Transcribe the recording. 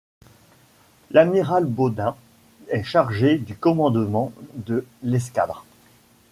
L'amiral Baudin est chargé du commandement de l'escadre.